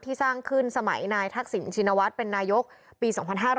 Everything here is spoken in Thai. สร้างขึ้นสมัยนายทักษิณชินวัฒน์เป็นนายกปี๒๕๕๙